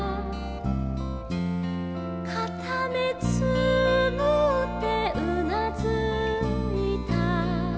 「かためつむってうなずいた」